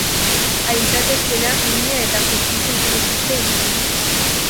Aintzatespena, mina eta justizia izan dituzte hizpide.